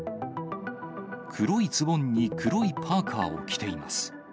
黒いズボンに黒いパーカーを着ています。